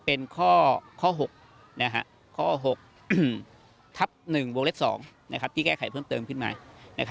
เป็นข้อ๖ข้อ๖ทับ๑วงเล็บ๒ที่แก้ไขเพิ่มเติมขึ้นมา